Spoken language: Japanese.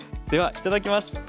ではいただきます。